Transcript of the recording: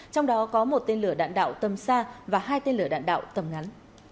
trong đó có một tên lửa đạn đạo tầm xa và hai tên lửa đạn đạo tầm ngắn